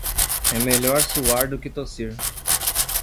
É melhor suar do que tossir.